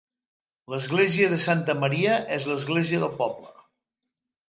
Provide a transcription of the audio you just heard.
L'església de Santa Maria és l'església del poble.